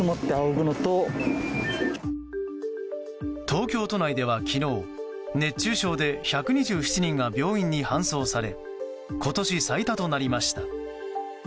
東京都内では昨日、熱中症で１２７人が病院に搬送され今年最多となりました。